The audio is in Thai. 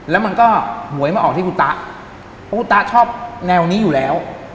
แล้วมันก็หวยมาออกที่ฟูต๊าของฟูต๊าชอบแนวนี้อยู่แล้ว